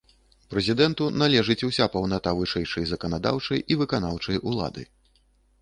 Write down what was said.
Прэзідэнту належыць уся паўната вышэйшай заканадаўчай і выканаўчай улады.